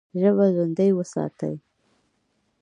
ژبه ژوندۍ وساتئ!